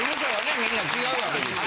みんな違うわけですよ。